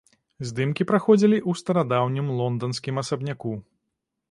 Здымкі праходзілі ў старадаўнім лонданскім асабняку.